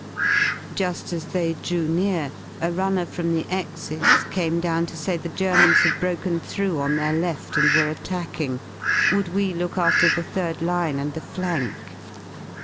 Ju^ as they drew near, a runner from the X 's came down to say the Germans had broken through on their left and were attacking, would we look after the third line v^ and the flank?